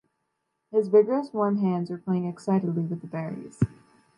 His vigorous warm hands were playing excitedly with the berries.